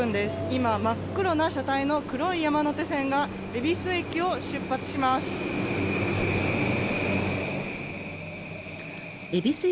今、真っ黒な車体の黒い山手線が恵比寿駅を出発します。